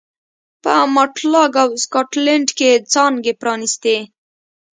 په ماټلاک او سکاټلنډ کې څانګې پرانېستې.